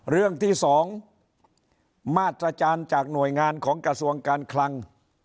เรื่องที่๒มาตรการจากหน่วยงานของกระทรวงการคลัง